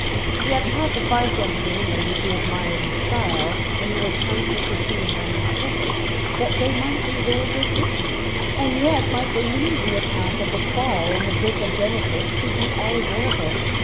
He had taught the fine gentlemen and ladies who admired his style, and who were constantly seen round his pulpit, that they might be very good Christians, and yet might believe the account of the Fall in the book of Genesis to be allegorical.